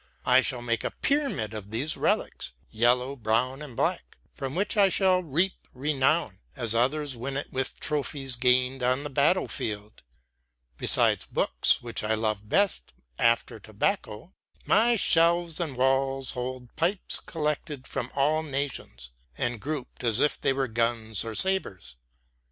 I shall make a pyramid of these relics, yellow, brown, and black, from which I shall reap renown as others win it with trophies gained on the battle field. Besides books, which I love best after tobacco, my shelves and walls hold pipes collected from all nations, and grouped as if they were guns or sabres.